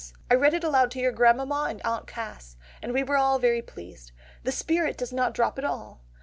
I read it aloud to your grandmamma and aunt Cass, and we were all very pleased. The spirit does not drop at all.